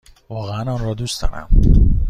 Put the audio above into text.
واقعا آن را دوست دارم!